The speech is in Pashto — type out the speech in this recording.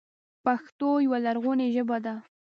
پښتو یوه لرغونې ژبه ده